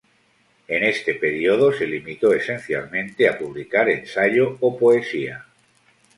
En este periodo se limitó esencialmente a publicar ensayo o poesía.